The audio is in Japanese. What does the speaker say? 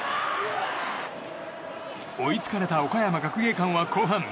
追いつかれた岡山学芸館は後半。